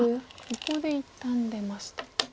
ここで一旦出ました。